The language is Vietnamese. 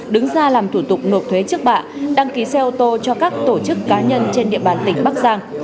đứng ra làm thủ tục nộp thuế trước bạ đăng ký xe ô tô cho các tổ chức cá nhân trên địa bàn tỉnh bắc giang